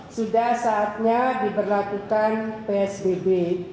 sudah saatnya diberlakukan psbb